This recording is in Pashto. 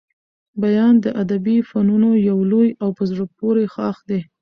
بیان د ادبي فنونو يو لوی او په زړه پوري ښاخ دئ.